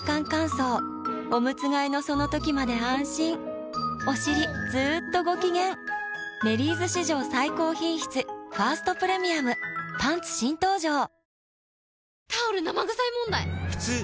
乾燥おむつ替えのその時まで安心おしりずっとご機嫌「メリーズ」史上最高品質「ファーストプレミアム」パンツ新登場！